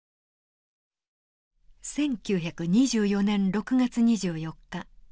１９２４年６月２４日。